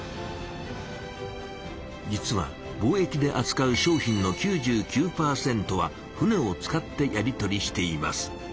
実は貿易であつかう商品の９９％は船を使ってやり取りしています。